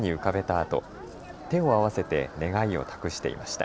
あと手を合わせて願いを託していました。